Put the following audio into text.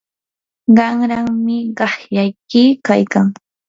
qanrami qaqllayki kaykan.